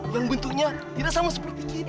yang bentuknya tidak sama seperti kita